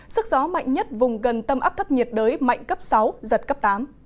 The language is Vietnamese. sức gió mạnh nhất vùng gần tâm áp thấp nhiệt đới mạnh cấp sáu giật cấp tám